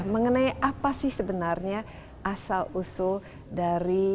mengenai apa sih sebenarnya asing karawitan indonesia